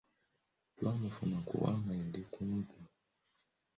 Twamufuna kubanga yali kumpi.